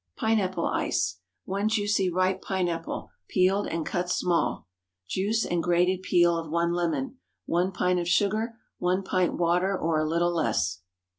PINEAPPLE ICE. 1 juicy ripe pineapple—peeled and cut small. Juice and grated peel of 1 lemon. 1 pint of sugar. 1 pint water, or a little less.